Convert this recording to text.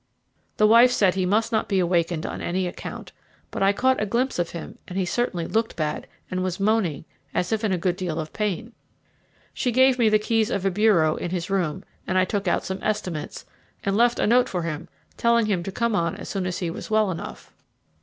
The wife said he must not be awakened on any account, but I caught a glimpse of him and he certainly looked bad, and was moaning as if in a good deal of pain. She gave me the keys of a bureau in his room, and I took out some estimates, and left a note for him telling him to come on as soon as he was well enough."